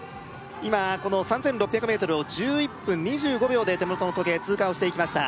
今この３６００ｍを１１分２５秒で手元の時計通過をしていきました